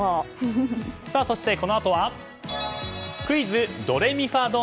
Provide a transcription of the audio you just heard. そしてこのあとは「クイズ！ドレミファドン！」。